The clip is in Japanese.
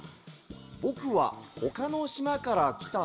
「ぼくはほかのしまからきたのダ。